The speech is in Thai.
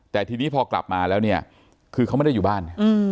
แต่ทีนี้พอกลับมาแล้วเนี่ยคือเขาไม่ได้อยู่บ้าน